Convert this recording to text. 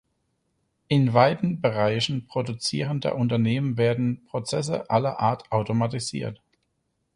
In weiten Bereichen produzierender Unternehmen werden Prozesse aller Art automatisiert.